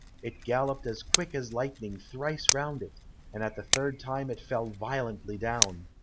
It galloped as quick as lightning thrice round it, and at the third time it fell violently down.